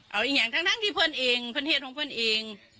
เอาอีกอย่างทั้งที่เพื่อนเองเพื่อนเทศของเพื่อนเอง